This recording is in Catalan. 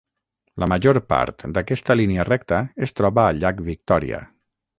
La major part d'aquesta línia recta es troba al Llac Victòria.